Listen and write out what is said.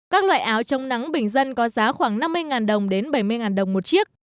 các loại áo trong nắng bình dân có giá khoảng năm mươi đồng đến bảy mươi đồng một chiếc